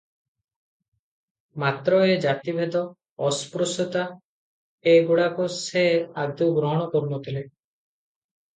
ମାତ୍ର ଏ ଜାତି ଭେଦ- ଅସ୍ପୃଶ୍ୟତା ଏ ଗୁଡ଼ାକୁ ସେ ଆଦୌ ଗ୍ରହଣ କରୁ ନ ଥିଲେ ।